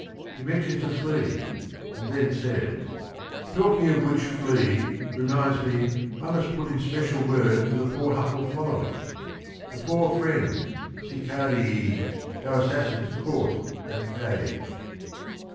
He mentions a flea and then says : HYACINTHUS DE ARCHANGELIS 141 "Talking of which flea, Reminds me I must put in special word For the poor humble following, — the four friends, Sicarii, our assassins caught and caged."